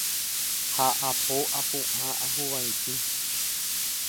ha apo apu'ã ahuvaitĩ